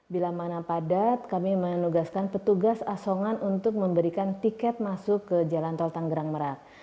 bila mana padat kami menugaskan petugas asongan untuk memberikan tiket masuk ke jalan tol tanggerang merak